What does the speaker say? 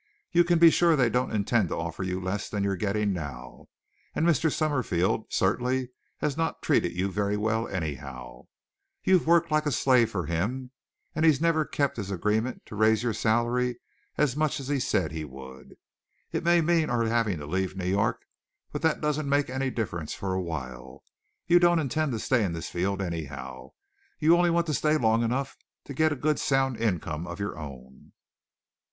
You can be sure they don't intend to offer you less than you're getting now, and Mr. Summerfield certainly has not treated you very well, anyhow. You've worked like a slave for him, and he's never kept his agreement to raise your salary as much as he said he would. It may mean our having to leave New York; but that doesn't make any difference for a while. You don't intend to stay in this field, anyhow. You only want to stay long enough to get a good sound income of your own."